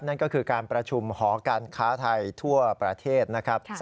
นั่นก็คือการประชุมหอการค้าไทยทั่วประเทศนะครับ